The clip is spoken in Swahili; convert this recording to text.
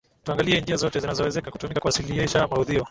tuangalie njia zote zinazowezeka kutumika kuwasilisha maudhui